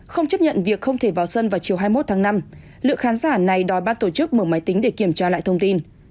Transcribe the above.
không chấp nhận việc không thể vào sân vào chiều hai mươi một tháng năm lượng khán giả này đòi ban tổ chức mở máy tính để kiểm tra lại thông tin